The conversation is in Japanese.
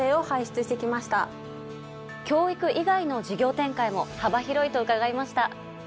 教育以外の事業展開も幅広いと伺いました。